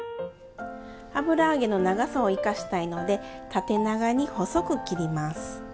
油揚げの長さを生かしたいので縦長に細く切ります。